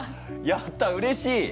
やったうれしい！